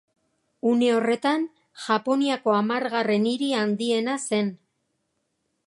Une horretan Japoniako hamargarren hiri handiena zen.